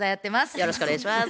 よろしくお願いします。